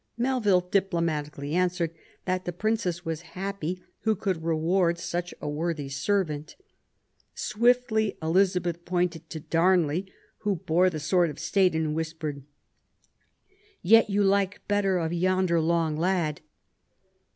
Melville diplomatically answered that the Princess was happy who could reward such a worthy servant. Swiftly Elizabeth pointed to Darnley, who bore the sword of state, and whispered: "Yet you like better of yonder long lad